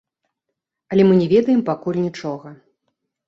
Але мы не ведаем пакуль нічога.